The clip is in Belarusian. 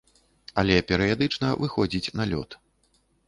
Але перыядычна выходзіць на лёд.